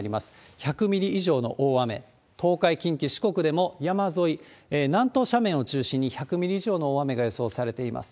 １００ミリ以上の大雨、東海、近畿、四国でも山沿い、南東斜面を中心に１００ミリ以上の大雨が予想されています。